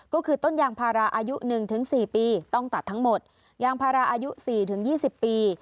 ก็คือต้นยางพาราอายุหนึ่งถึงสี่ปีต้องตัดทั้งหมดยางพาราอายุสี่ถึงยี่สิบปี